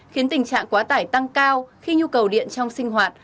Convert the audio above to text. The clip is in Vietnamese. khiến tình trạng quá tải tăng cao khi nhu cầu điện trong sinh hoạt